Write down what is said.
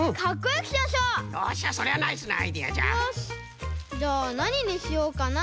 よしじゃあなににしようかな？